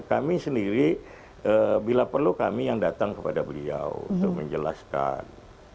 kami sendiri bila perlu kami yang datang kepada beliau untuk menjelaskan